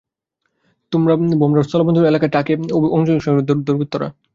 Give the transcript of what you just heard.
ভোমরা স্থলবন্দর এলাকায় চাল খালাস করার সময় একটি ভারতীয় ট্রাকে অগ্নিসংযোগ করে দুর্বৃত্তরা।